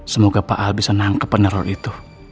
semoga pak aha bisa nangkep peneror itu